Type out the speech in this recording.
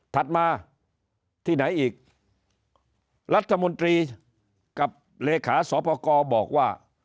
ถัดมาที่ไหนอีกรัฐมนตรีกับเลขาสอปกรบอกว่า